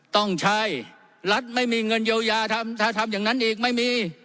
ต้องใช้รัฐไม่มีเงินเยียวยาทำถ้าทำอย่างนั้นอีกไม่มี